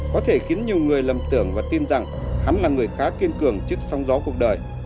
có thể khiến nhiều người lầm tưởng và tin rằng hắn là người khá kiên cường trước song gió cuộc đời